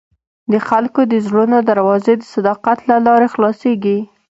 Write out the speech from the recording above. د خلکو د زړونو دروازې د صداقت له لارې خلاصېږي.